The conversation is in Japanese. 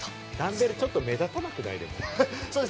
ダンベル、ちょっと目立たなくない？